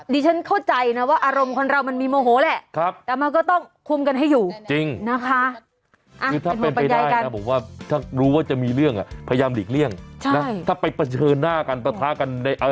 ฉันเข้าใจนะว่าอารมณ์คนเรามันมีโมโหแหละแต่มันก็ต้องคุมกันให้อยู่จริงนะคะ